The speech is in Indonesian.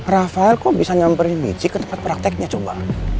rafael kok bisa nyamperin biji ke tempat prakteknya coba